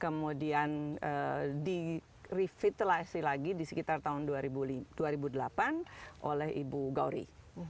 kemudian direvitalisi lagi di sekitar tahun dua ribu delapan oleh ibu gauri